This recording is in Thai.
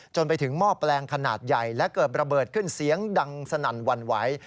ไปถึงหม้อแปลงขนาดใหญ่และเกิดระเบิดขึ้นเสียงดังสนั่นหวั่นไหว